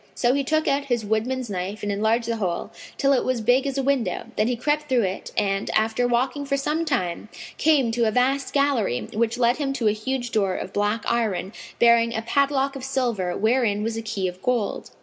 So he took out his woodman's knife and enlarged the hole, till it was big as a window, then he crept through it and, after walking for some time, came to a vast gallery, which led him to a huge door of black iron bearing a padlock of silver wherein was a key of gold.